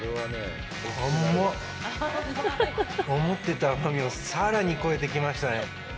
思ってた甘みをさらに超えてきましたね。